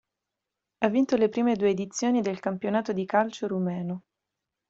Ha vinto le prime due edizioni del campionato di calcio rumeno.